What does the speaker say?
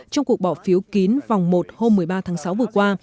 trong cuộc bỏ phiếu kín vòng một hôm một mươi ba tháng sáu vừa qua